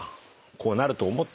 こうなると思った。